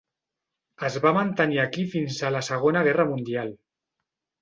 Es va mantenir aquí fins a la Segona Guerra Mundial.